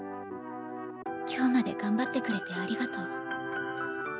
今日まで頑張ってくれてありがとう。